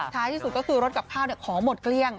ท้ายที่สุดก็คือรถกับข้าวของหมดเกลี้ยง